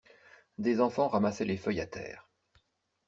Des enfants ramassaient les feuilles à terre.